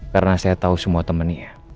karena saya tahu semua temennya